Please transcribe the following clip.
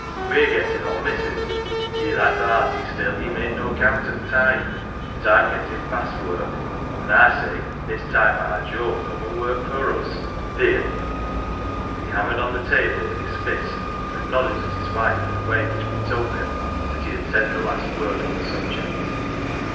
We're gettin' on, missus : ye're that 'earty still ye make no count o' the time ; but I'm gettin' past work, an' I say as it's time our Joe come an' worked for us. Theer !" He hammered on the table with his fist, and nodded at his wife in a way which betokened that he had said the last word on the subject.